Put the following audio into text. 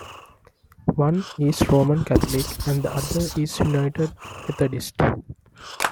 One is Roman Catholic and the other is United Methodist.